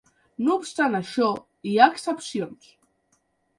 No obstant això, hi ha excepcions.